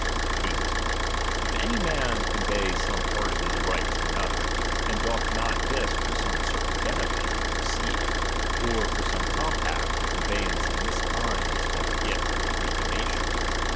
8. If any man convey some part of his right to i" mother, and doth not this for some certain benefit of received, or for some compact, a conveyance in "' this kind is called a gift or free donation.